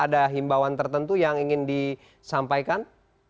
ada himbauan tertentu yang ingin disampaikan